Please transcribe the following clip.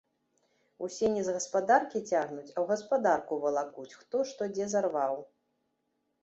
Усе не з гаспадаркі цягнуць, а ў гаспадарку валакуць хто што дзе зарваў.